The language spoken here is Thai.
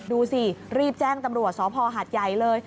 ดูสิรีบแจ้งตำรวจสอภาอหาทยัยเลย